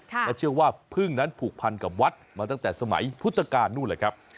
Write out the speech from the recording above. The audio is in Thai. เพราะเชื่อว่าพึ่งนั้นผูกพันกับวัดมาตั้งแต่สมัยพุทธกาลนู่นเลยครับ